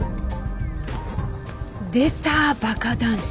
出たバカ男子。